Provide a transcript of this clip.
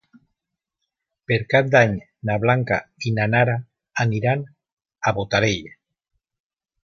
Per Cap d'Any na Blanca i na Nara aniran a Botarell.